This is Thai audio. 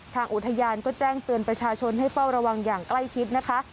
ทางอุทยานก็แจ้งเตือนประชาชนให้เฝ้าระวังอย่างใกล้ชิดนะคะ